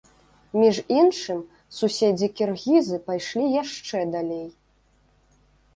Між іншым, суседзі-кіргізы пайшлі яшчэ далей.